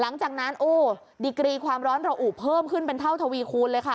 หลังจากนั้นโอ้ดิกรีความร้อนระอุเพิ่มขึ้นเป็นเท่าทวีคูณเลยค่ะ